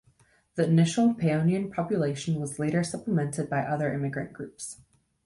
The initial Paeonian population was later supplemented by other immigrant groups.